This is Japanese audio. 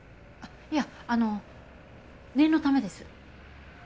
いやあの念のためです。